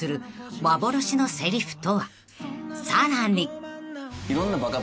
［さらに］